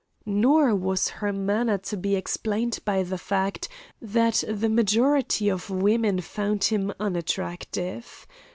Nor was her manner to be explained by the fact that the majority of women found him unattractive.